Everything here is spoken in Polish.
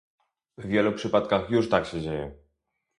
W wielu przypadkach już tak się dzieje